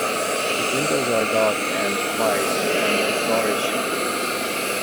His windows are dark and quiet, and his door is shut.